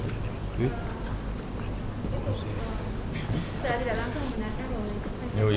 saya tidak langsung menggunakan oleh psi